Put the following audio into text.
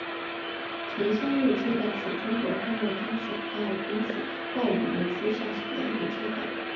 城乡路街道是中国黑龙江省哈尔滨市道里区下辖的一个街道。